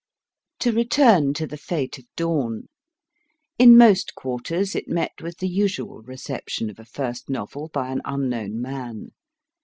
To return to the fate of Dawn. In most quarters it met with the usual reception of a first novel by an unknown man.